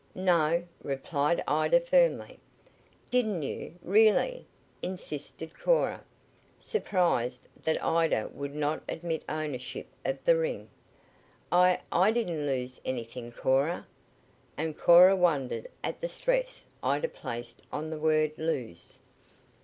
"No," replied Ida firmly. "Didn't you, really?" insisted Cora, surprised that Ida would not admit ownership of the ring. "I I didn't lose anything, Cora," and Cora wondered at the stress Ida placed on the word "lose."